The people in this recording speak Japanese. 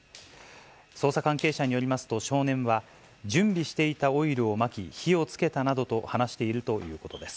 捜査関係者によりますと、少年は、準備していたオイルをまき火をつけたなどと話しているということです。